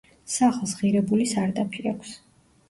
სახლს ღირებული სარდაფი აქვს.